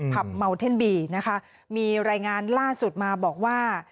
เมาเท่นบีนะคะมีรายงานล่าสุดมาบอกว่า